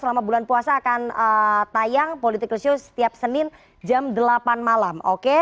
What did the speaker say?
selama bulan puasa akan tayang political show setiap senin jam delapan malam oke